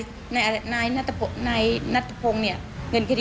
สนุนโดยสายการบินไทยนครปวดท้องเสียขับลมแน่นท้อง